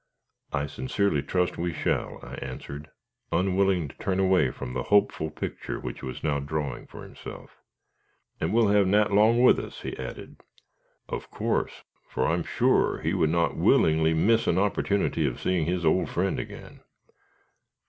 "I sincerely trust we shall," I answered, unwilling to turn away from the hopeful picture which he was drawing for himself. "And we'll have Nat 'long with us," he added. "Of course, for I am sure he would not willingly miss an opportunity of seeing his old friend again.